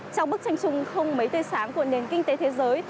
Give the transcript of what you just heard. trong bức tranh chung không mấy tươi sáng của nền kinh tế thế giới